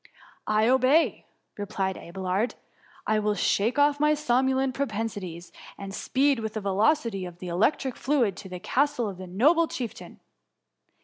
^" I obey,'' replied Abelard. " I will shake off my somnolent propensities, and speed with the velocity of the electric fluid to the castle of the noble chieftain.'